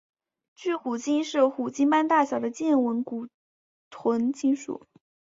巨海豚是虎鲸般大小的剑吻古豚亲属。